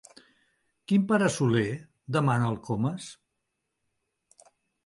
Quin pare Soler? —demana el Comas.